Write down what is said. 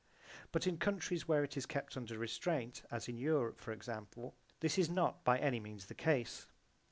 But in countries where it is kept under restraint, as in Europe, for example, this is not by any means the case.